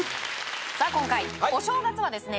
さあ今回お正月はですね